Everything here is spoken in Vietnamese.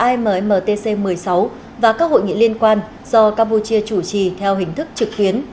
immtc một mươi sáu và các hội nghị liên quan do campuchia chủ trì theo hình thức trực tuyến